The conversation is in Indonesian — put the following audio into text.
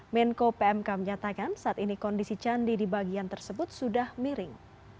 menko pmk menyatakan saat ini kondisi candi di bagian tersebut sudah miring